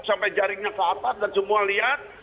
sampai jaringnya ke atas dan semua lihat